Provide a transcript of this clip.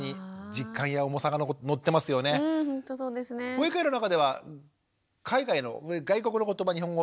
保育園の中では海外の外国の言葉日本語